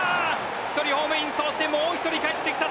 １人ホームイン、そして、もう１人帰ってきた。